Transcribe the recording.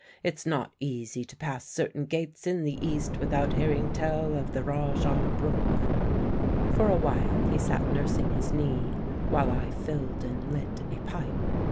"It's not easy to pass certain gates in the East without hearing tell of the Rajah Brooke." For a while he sat nursing his knee while I filled and lit a pipe.